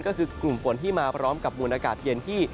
ก็คือกลุ่มฝนที่มาพร้อมกับมูลอากาศเย็นที่